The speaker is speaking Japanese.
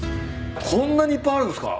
こんなにいっぱいあるんすか？